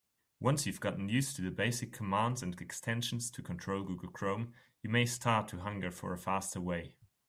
Once you've gotten used to the basic commands and extensions to control Google Chrome, you may start to hunger for a faster way.